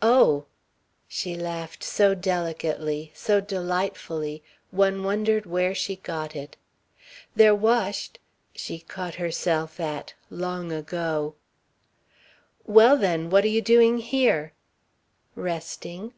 "Oh!" she laughed so delicately, so delightfully, one wondered where she got it. "They're washed " she caught herself at "long ago." "Well then, what are you doing here?" "Resting."